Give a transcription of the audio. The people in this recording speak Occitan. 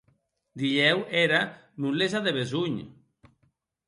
Dilhèu era non les a de besonh?